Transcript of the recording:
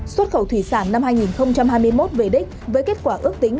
xuất khẩu thủy sản năm hai nghìn hai mươi một về đích với kết quả ước tính